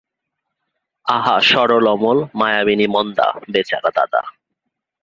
আহা, সরল অমল, মায়াবিনী মন্দা, বেচারা দাদা।